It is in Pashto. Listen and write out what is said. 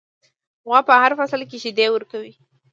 غوا په هر فصل کې شیدې ورکوي.